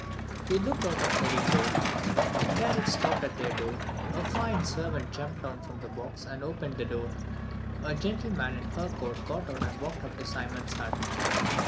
They looked out of the window; the carriage stopped at their door, a fine servant jumped down from the box and opened the door. A gentleman in a fur coat got out and walked up to Simon's hut.